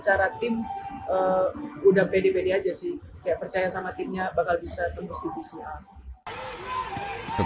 kayak percaya sama timnya bakal bisa tempus divisi a